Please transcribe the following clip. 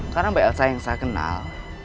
karena mba elsa yang saya kenal